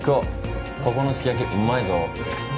ここのすき焼きうまいぞ。